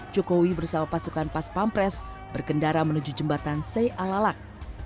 jokowi bersama pasukan pas pampres berkendara menuju jembatan sey alalak